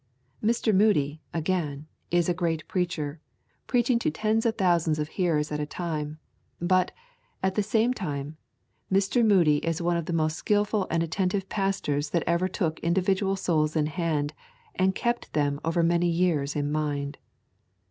Mr. Moody, again, is a great preacher, preaching to tens of thousands of hearers at a time; but, at the same time, Mr. Moody is one of the most skilful and attentive pastors that ever took individual souls in hand and kept them over many years in mind.